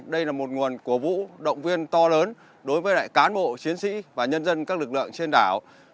đây là một nguồn cổ vũ động viên to lớn đối với lại cán bộ chiến sĩ và nhân dân các lực lượng trên đảo